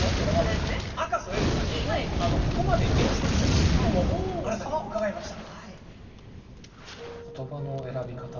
赤楚衛二さんにここまで演じてきた実感を伺いました。